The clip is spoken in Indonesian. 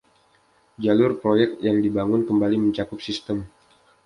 Jalur proyek yang dibangun kembali mencakup sistem.